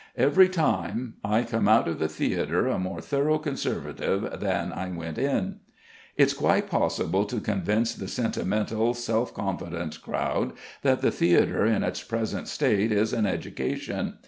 Every time I come out of the theatre a more thorough conservative than I went in. It's quite possible to convince the sentimental, self confident crowd that the theatre in its present state is an education.